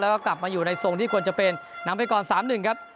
แล้วก็กลับมาอยู่ในทรงที่ควรจะเป็นนำไปก่อน๓๑ครับ